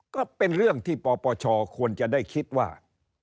ก็เป็นเรื่องที่ปปชควรจะได้คิดว่า